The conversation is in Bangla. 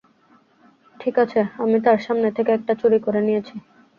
ঠিক আছে, আমি তার সামনে থেকে একটা চুরি করে নিয়েছি।